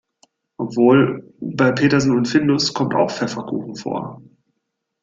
Obwohl, bei Petersen und Findus kommt auch Pfefferkuchen vor.